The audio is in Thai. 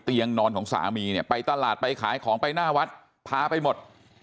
นอนของสามีเนี่ยไปตลาดไปขายของไปหน้าวัดพาไปหมด